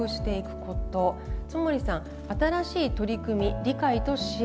津守さん「新しい取組み理解と支援」。